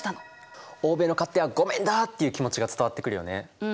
欧米の勝手はごめんだっていう気持ちが伝わってくるよね。